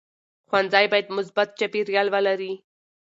ښوونځی باید مثبت چاپېریال ولري.